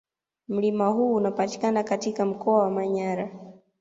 Mlima huu unapatikana katika mkoa wa Manyara